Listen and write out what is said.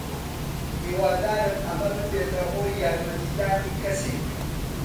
هیوادارم ئەمە ببێتە هۆی یارمەتیدانی کەسێک.